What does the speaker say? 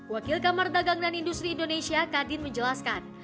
wakil kamar dagang dan industri indonesia kadin menjelaskan